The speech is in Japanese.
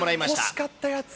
欲しかったやつ。